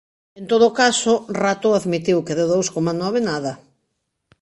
En todo caso, Rato admitiu que de dous coma nove, nada.